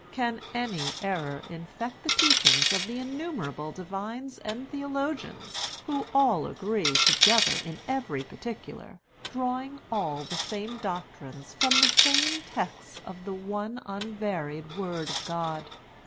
Can any error infect the teachings of the innumerable divines and theologians, who all agree together in every particular, drawing all the same doctrines from the same texts of the one unvaried Word of God?